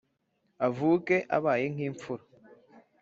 Avuke abaye nk`impfura